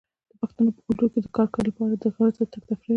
د پښتنو په کلتور کې د ښکار لپاره غره ته تګ تفریح ده.